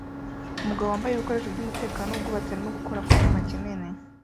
Umugabo wambaye ibikoresho byumutekano wubwubatsi arimo gukora ku cyuma kinini